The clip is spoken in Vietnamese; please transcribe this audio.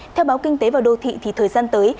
theo báo kinh tế và đô thị thì thời gian tới